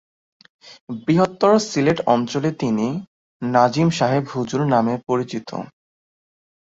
বৃহত্তর সিলেট অঞ্চলে তিনি ‘নাজিম সাহেব হুজুর’ নামে পরিচিত।